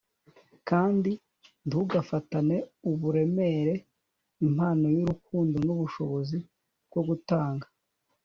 kandi ntugafatane uburemere impano yurukundo nubushobozi bwo gutanga